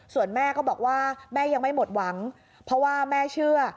ส่วนแม่ก็บอกว่าแม่ยังไม่หมดหวังเพราะว่าแม่เชื่อ